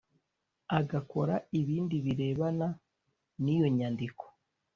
Agakora ibindi birebana n iyo nyandiko